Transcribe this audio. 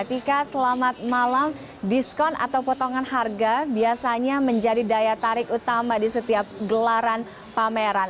tika selamat malam diskon atau potongan harga biasanya menjadi daya tarik utama di setiap gelaran pameran